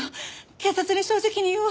警察に正直に言おう。